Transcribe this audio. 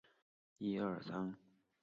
后遭萨摩藩长州藩联军打败。